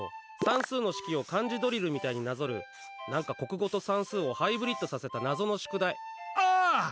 算数の式を漢字ドリルみたいになぞる、何か国語と算数をハイブリッドさせた謎の宿題。